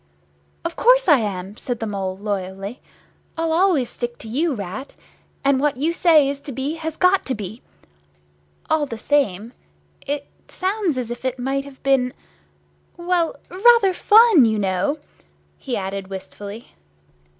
"Of course I am," said the Mole, loyally. "I'll always stick to you, Rat, and what you say is to be—has got to be. All the same, it sounds as if it might have been—well, rather fun, you know!" he added, wistfully.